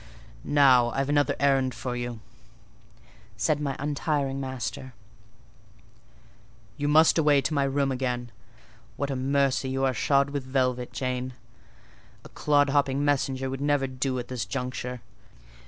"Now, I've another errand for you," said my untiring master; "you must away to my room again. What a mercy you are shod with velvet, Jane!—a clod hopping messenger would never do at this juncture.